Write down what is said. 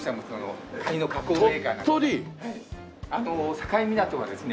境港はですね